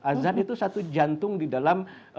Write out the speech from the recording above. azan itu satu jantung di dalam